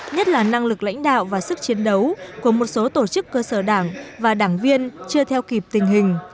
nhất là năng lực lãnh đạo và sức chiến đấu của một số tổ chức cơ sở đảng và đảng viên chưa theo kịp tình hình